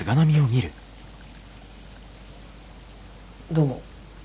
どうも。